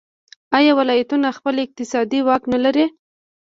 آیا ولایتونه خپل اقتصادي واک نلري؟